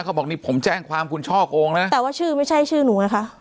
เขาบอกนี่ผมแจ้งความคุณช่อโกงนะแต่ว่าชื่อไม่ใช่ชื่อหนูไงคะ